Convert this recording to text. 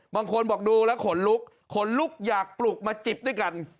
บางคนบอกดูแล้วขนลุกขนลุกอยากปลุกมาจิบด้วยกัน